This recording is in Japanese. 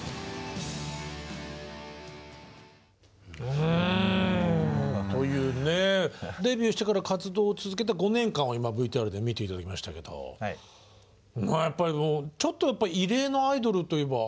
うんというねデビューしてから活動を続けた５年間を今ＶＴＲで見ていただきましたけどやっぱり異例のアイドルといえばアイドルですね。